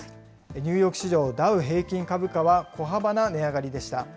ニューヨーク市場、ダウ平均株価は小幅な値上がりでした。